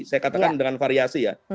saya katakan dengan variasi ya